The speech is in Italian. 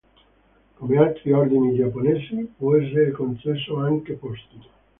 Come altri ordini giapponesi, può essere concesso anche postumo.